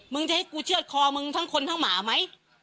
จะให้กูเชื่อดคอมึงทั้งคนทั้งหมาไหม